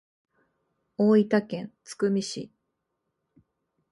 大分県津久見市